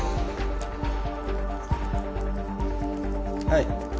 はい。